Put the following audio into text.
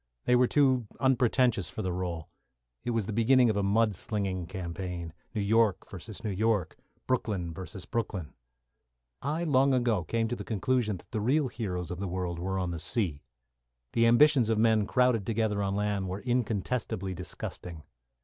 They were too unpretentious for the role. It was the beginning of a mud slinging campaign. New York versus New York Brooklyn versus Brooklyn. I long ago came to the conclusion that the real heroes of the world were on the sea. The ambitions of men crowded together on land were incontestably disgusting.